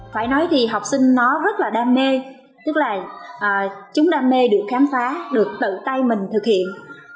phải nói thì học sinh nó rất là đam mê tức là chúng đam mê được khám phá được tự tay mình thực hiện